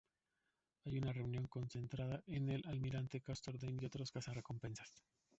Hay una reunión concertada con el almirante Castor Dane y otros cazarrecompensas.